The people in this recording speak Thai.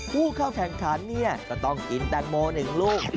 ผู้เข้าแข่งขันเนี่ยก็ต้องกินแตงโม๑ลูก